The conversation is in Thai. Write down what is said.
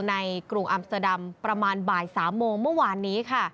กรุงอัมเตอร์ดัมประมาณบ่าย๓โมงเมื่อวานนี้ค่ะ